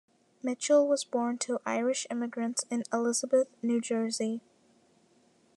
Mitchell was born to Irish immigrants in Elizabeth, New Jersey.